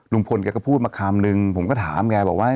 ลุงพลแกก็พูดมาคำนึงผมก็ถามแกบอกว่า